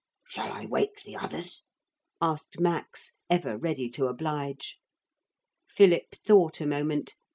'Shall I wake the others?' asked Max, ever ready to oblige. Philip thought a moment.